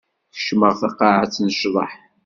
Kecmeɣ taqaɛet n ccḍeḥ.